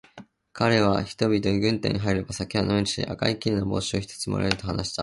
かれは人々に、軍隊に入れば酒は飲めるし、赤いきれいな帽子を一つ貰える、と話しました。